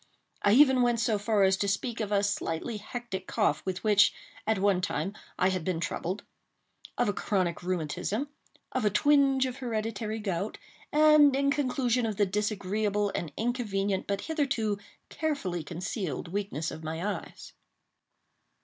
I even went so far as to speak of a slightly hectic cough with which, at one time, I had been troubled—of a chronic rheumatism—of a twinge of hereditary gout—and, in conclusion, of the disagreeable and inconvenient, but hitherto carefully concealed, weakness of my eyes.